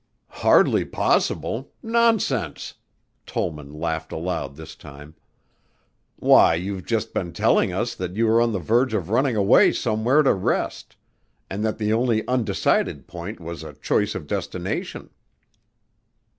"Hardly possible? Nonsense!" Tollman laughed aloud this time. "Why, you've just been telling us that you were on the verge of running away somewhere to rest and that the only undecided point was a choice of destination."